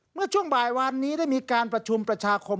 เมื่อช่วงบ่ายวานนี้ได้มีการประชุมประชาคม